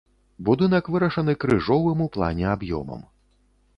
Будынак вырашаны крыжовым у плане аб'ёмам.